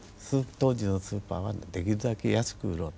当時のスーパーはできるだけ安く売ろう。